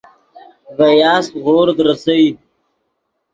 ڤے یاسپ غورد ریسئے